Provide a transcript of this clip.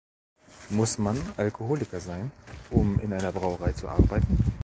Muss man Alkoholiker sein, um in einer Brauerei zu arbeiten?